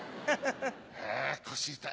あ腰痛い。